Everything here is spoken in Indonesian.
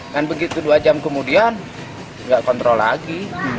kan begitu dua jam kemudian nggak kontrol lagi